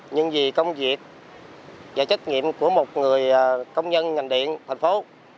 nhưng vì công việc và trách nhiệm của một người công nhân ngành điện thành phố